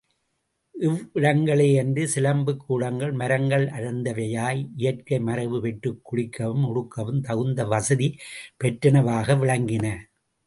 இவ்விடங்களேயன்றிச் சிலம்பக் கூடங்கள் மரங்கள் அடர்ந்தவையாய், இயற்கை மறைவு பெற்றுக் குளிக்கவும், உடுக்கவும், தகுந்த வசதி பெற்றனவாக விளங்கின.